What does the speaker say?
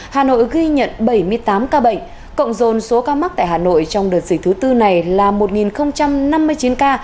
hà nội ghi nhận bảy mươi tám ca bệnh cộng dồn số ca mắc tại hà nội trong đợt dịch thứ tư này là một năm mươi chín ca